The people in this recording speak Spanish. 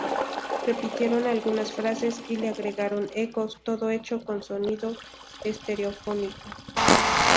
Repitieron algunas frases y le agregaron ecos, todo hecho con sonido estereofónico.